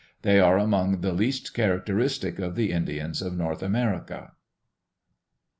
They are among the least characteristic of the Indians of North America.